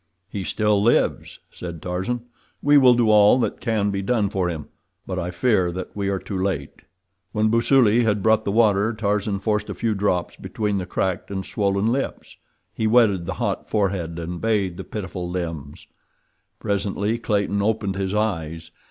"He still lives," said Tarzan. "We will do all that can be done for him, but I fear that we are too late." When Busuli had brought the water Tarzan forced a few drops between the cracked and swollen lips. He wetted the hot forehead and bathed the pitiful limbs. Presently Clayton opened his eyes.